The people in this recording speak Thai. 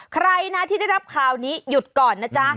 ใครนะที่ได้รับข่าวนี้หยุดก่อนนะจ๊ะ